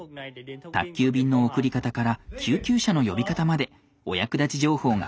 宅急便の送り方から救急車の呼び方までお役立ち情報が満載です。